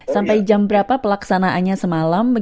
sampai jam berapa pelaksanaannya semalam